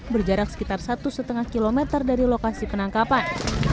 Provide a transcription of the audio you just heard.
berjarak sekitar satu lima km dari lokasi penangkapan